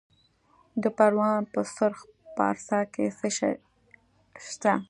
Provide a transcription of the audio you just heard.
د پروان په سرخ پارسا کې څه شی شته؟